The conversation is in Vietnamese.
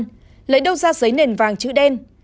nếu không có giấy xác nhận lấy đâu ra giấy nền vàng chữ đen